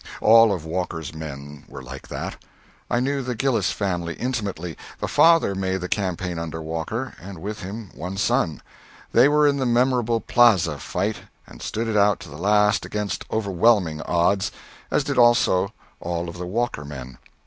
All of Walker's men were like that. I knew the Gillis family intimately. The father made the campaign under Walker, and with him one son. They were in the memorable Plaza fight, and stood it out to the last against overwhelming odds, as did also all of the Walker men.